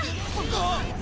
あっ！